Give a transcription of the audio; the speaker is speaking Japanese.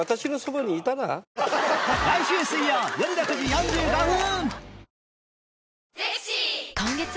来週水曜よる６時４５分！